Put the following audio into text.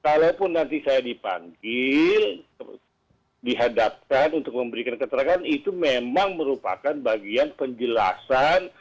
kalaupun nanti saya dipanggil dihadapkan untuk memberikan keterangan itu memang merupakan bagian penjelasan